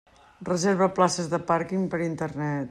Reserva places de pàrquing per Internet.